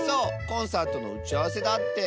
コンサートのうちあわせだって。